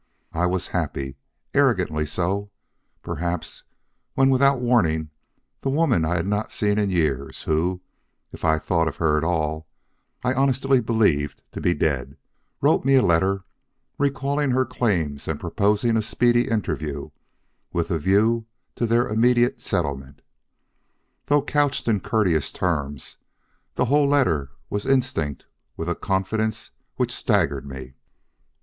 I was happy, arrogantly so, perhaps, when without warning the woman I had not seen in years, who, if I thought of her at all, I honestly believed to be dead wrote me a letter recalling her claims and proposing a speedy interview, with a view to their immediate settlement. Though couched in courteous terms, the whole letter was instinct with a confidence which staggered me.